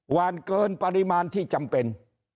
หวานเกินปริมาณที่จำเป็น